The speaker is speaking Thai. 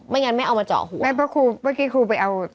งั้นไม่เอามาเจาะหูไม่เพราะครูเมื่อกี้ครูไปเอา